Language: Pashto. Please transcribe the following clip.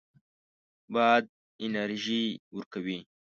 باد انرژي ورکوي.